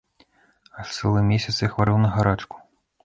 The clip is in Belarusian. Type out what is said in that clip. Аж цэлы месяц я хварэў на гарачку.